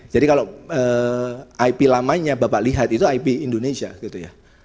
jadi kalau ip lamanya bapak lihat itu ip indonesia gitu ya